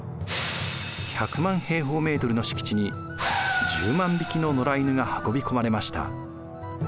１００万平方メートルの敷地に１０万匹の野良犬が運び込まれました。